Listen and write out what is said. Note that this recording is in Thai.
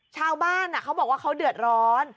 ชาวบ้านเขาบอกว่าเขาเดือดร้อน